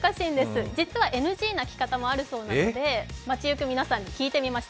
実はＮＧな着方もあるそうで、街の皆さんに聞いてみました。